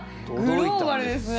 グローバルですね！